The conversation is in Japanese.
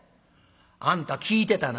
「あんた聞いてたな」。